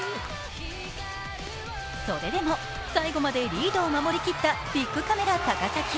それでも最後までリードを守り切ったビックカメラ高崎。